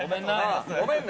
ごめんね。